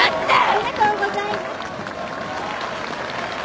ありがとうございます。